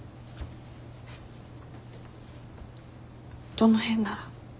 どの辺なら？